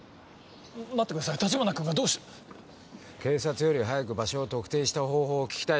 待ってください橘君がどうして。警察より早く場所を特定した方法を聞きたいだけです。